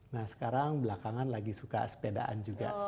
nah sekarang belakangan lagi suka sepedaan juga